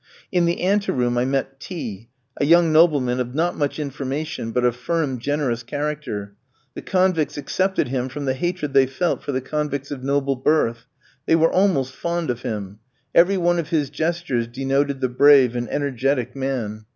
In the ante room I met T vski, a young nobleman of not much information, but of firm, generous character; the convicts excepted him from the hatred they felt for the convicts of noble birth; they were almost fond of him; every one of his gestures denoted the brave and energetic man.